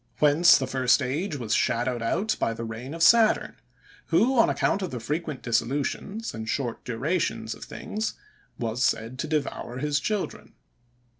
Whence the first age was shadowed out by the reign of Saturn; who, on account of the frequent dissolutions, and short durations of things, was said to devour his children.